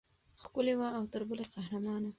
ښکلې وه او تر بلې قهرمانه.